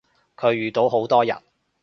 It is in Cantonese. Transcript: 佢遇到好多人